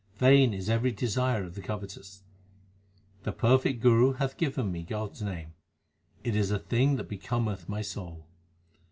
Vain is every desire of the covetous. The perfect Guru hath given me God s name; it is a thing that becometh my soul.